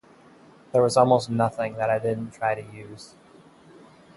There was almost nothing that I didn't try to use.